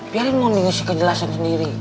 biarin mondi ngasih kejelasan sendiri